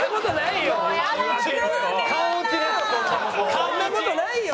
そんな事ないよ！